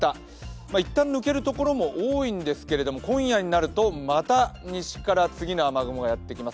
いったん抜けるところも多いんですけど、今夜になるとまた西から次の雨雲がやってきます。